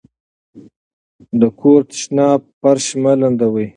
د کور تشناب فرش مه لندوئ.